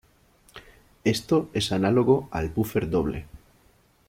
Esto es análogo al buffer doble.